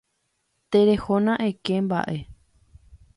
Terehóna eke mba'e.